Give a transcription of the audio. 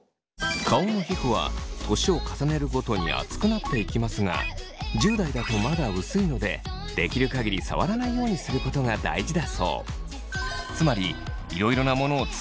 顔の皮膚は年を重ねるごとに厚くなっていきますが１０代だとまだ薄いのでできる限り触らないようにすることが大事だそう。